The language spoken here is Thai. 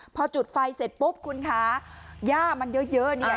พอจุดไฟเสร็จปุ๊บคุณคะย่ามันเยอะเนี่ย